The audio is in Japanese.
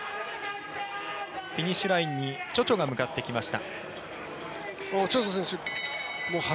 フィニッシュラインにチョチョが向かってきました。